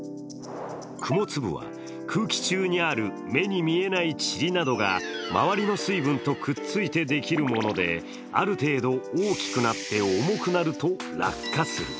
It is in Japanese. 雲粒は空気中にある目に見えないチリなどが周りの水分とくっついてできるもので、ある程度、大きくなって重くなると落下する。